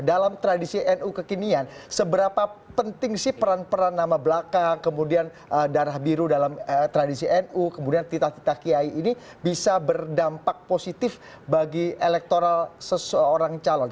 dalam tradisi nu kekinian seberapa penting sih peran peran nama belakang kemudian darah biru dalam tradisi nu kemudian titah titah kiai ini bisa berdampak positif bagi elektoral seseorang calon